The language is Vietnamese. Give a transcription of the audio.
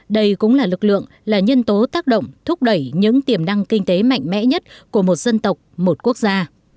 đây cũng là lực lượng là nhân tố tác động thúc đẩy những tiềm năng kinh tế mạnh mẽ nhất của một dân tộc một quốc gia